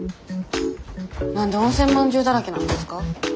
何で温泉まんじゅうだらけなんですか？